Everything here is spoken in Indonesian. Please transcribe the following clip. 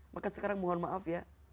maka sekarang mohon maaf ya